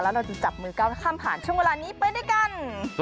แล้วเราจะจับมือก้าวข้ามผ่านช่วงเวลานี้ไปด้วยกัน